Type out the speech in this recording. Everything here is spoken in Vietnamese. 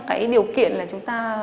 cái điều kiện là chúng ta